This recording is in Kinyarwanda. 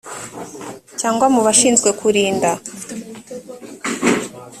cyangwa mu bashinzwe kurinda